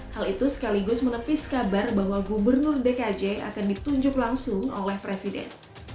hal itu sekaligus menepis kabar bahwa gubernur dki akan ditunjuk langsung oleh presiden